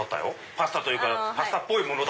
パスタというかパスタっぽいもの。